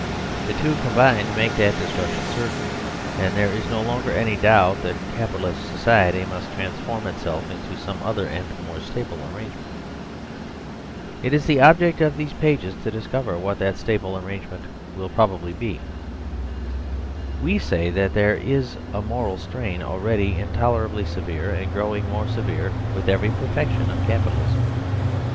The two combined make that destruction certain ; and there is no longer any doubt that Capitalist so ciety must transform itself into some other and more stable arrangement. It is the object of these pages 82 STATE GROWS UNSTABLE to discover what that stable arrangement will prob ably be. We say that there is a moral strain already in tolerably severe and growing more severe with every perfection of Capitalism.